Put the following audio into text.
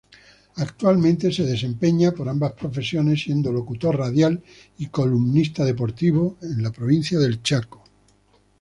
Actualmente, se desempeña en ambas profesiones, siendo locutor radial y columnista deportivo. Provincia del Chaco.